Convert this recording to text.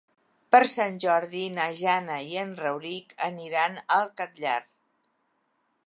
Per Sant Jordi na Jana i en Rauric aniran al Catllar.